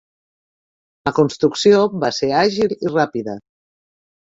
La construcció va ser àgil i ràpida.